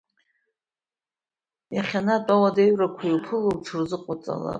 Иахьанатә ауадаҩрақәа иуԥыло уҽырзыҟоуҵалароуп.